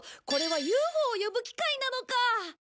これはＵＦＯを呼ぶ機械なのか！